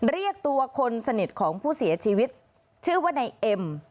เรียกตัวคนสนิทของผู้เสียชีวิตชื่อว่านายเอ็ม